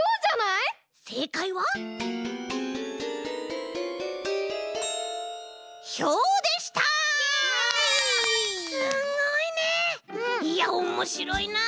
いやおもしろいな。